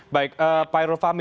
baik pak erufami